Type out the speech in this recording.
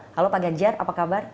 halo pak ganjar apa kabar